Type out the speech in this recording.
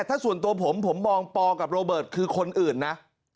ถ้าส่วนตัวผมผมมองปอกับโรเบิร์ตคือคนอื่นนะ